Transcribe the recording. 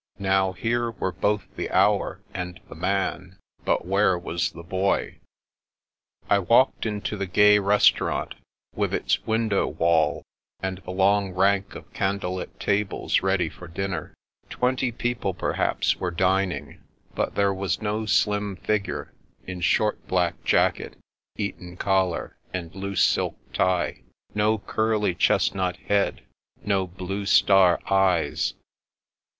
Now, here were both the Hour and the Man: but where was the Boy? I walked into the gay restaurant, with its window wall, and the long rank of candle lit tables ready for dinner. Twenty people, perhaps, were dining; but there was no slim figure in short black jacket, Eton collar, and loose silk tie; no curly chest nut head; no blue star eyes.